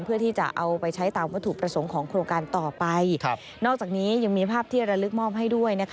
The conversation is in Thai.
เพื่อที่จะเอาไปใช้ตามวัตถุประสงค์ของโครงการต่อไปนอกจากนี้ยังมีภาพที่ระลึกมอบให้ด้วยนะคะ